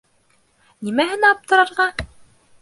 Нимәһенә аптырарға?